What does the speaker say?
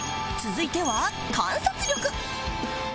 続いては観察力